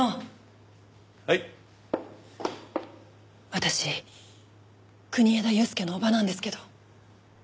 私国枝祐介の叔母なんですけど。